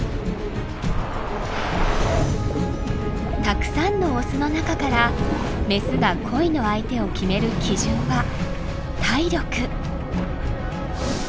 たくさんのオスの中からメスが恋の相手を決める基準は体力。